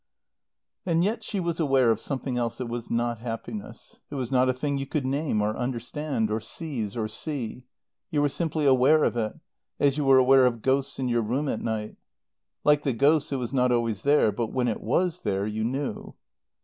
And yet she was aware of something else that was not happiness. It was not a thing you could name or understand, or seize, or see; you were simply aware of it, as you were aware of ghosts in your room at night. Like the ghosts, it was not always there; but when it was there you knew.